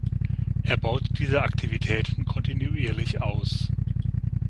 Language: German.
Er baut diese Aktivitäten kontinuierlich aus.